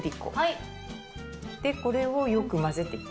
これをよく混ぜてく。